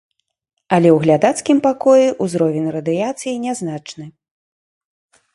Але ў глядацкім пакоі ўзровень радыяцыі нязначны.